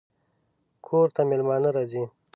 کور ته مېلمانه راځي